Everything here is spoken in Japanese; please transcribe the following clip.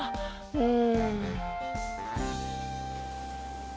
うん。